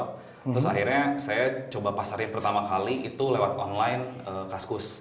terus akhirnya saya coba pasarin pertama kali itu lewat online kaskus